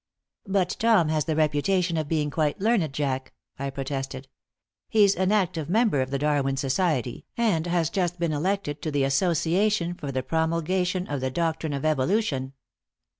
"But Tom has the reputation of being quite learned, Jack," I protested. "He's an active member of the Darwin Society, and has just been elected to the Association for the Promulgation of the Doctrine of Evolution."